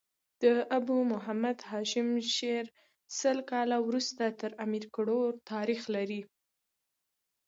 د ابو محمد هاشم شعر سل کاله وروسته تر امیر کروړ تاريخ لري.